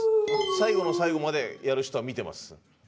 最後の最後までやる人は見てます。